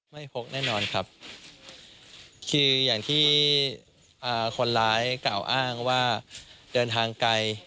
พกแน่นอนครับคืออย่างที่คนร้ายกล่าวอ้างว่าเดินทางไกล